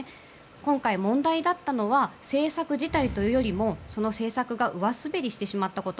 今回、問題だったのは政策自体というよりもその政策が上滑りしてしまったこと。